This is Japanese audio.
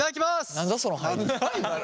何だその入り。